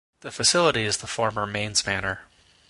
The facility is the former Mains Manor.